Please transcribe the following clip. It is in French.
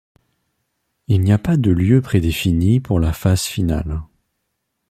Il n'y a pas de lieu prédéfini pour la phase finale.